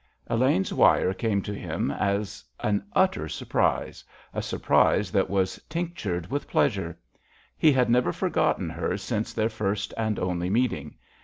Elaine's wire came to him as an utter surprise, a surprise that was tinctured with pleasure. He had never forgotten her since their first, and only meeting.